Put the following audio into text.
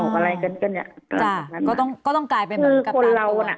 อ๋อออกอะไรเกินเกินอ่ะจ้ะก็ต้องก็ต้องกลายเป็นคือคนเราน่ะ